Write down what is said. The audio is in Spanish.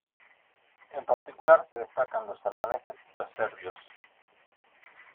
En particular se destacan los albaneses y los serbios.